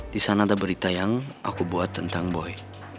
disana ada berita yang aku buat tentang boy